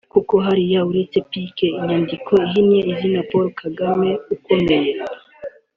Kuko hariya uretse pk (inyandiko ihina izina Paul Kagame) ukomeye